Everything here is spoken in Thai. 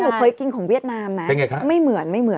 เคยกินของเวียดนามนะเป็นไงคะไม่เหมือนไม่เหมือน